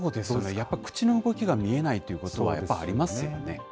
やっぱり口の動きが見えないということがありますよね。